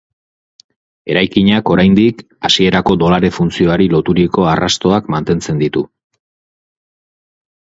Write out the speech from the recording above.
Eraikinak, oraindik, hasierako dolare funtzioari loturiko arrastoak mantentzen ditu.